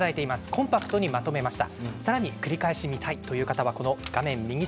コンパクトにまとめました。